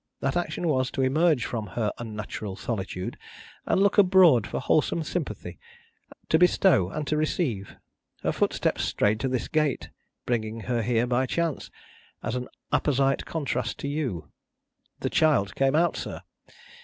That action was, to emerge from her unnatural solitude, and look abroad for wholesome sympathy, to bestow and to receive. Her footsteps strayed to this gate, bringing her here by chance, as an apposite contrast to you. The child came out, sir.